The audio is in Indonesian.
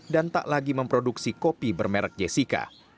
dan tak lagi memproduksi kopi bermerek jessica